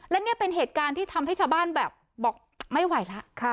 และนี่เป็นเหตุการณ์ที่ทำให้ชาวบ้านแบบบอกไม่ไหวแล้ว